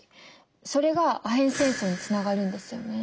それがアヘン戦争につながるんですよね。